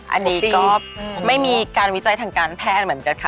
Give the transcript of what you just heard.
อันนี้ก็ไม่มีการวิจัยทางการแพทย์เหมือนกันค่ะ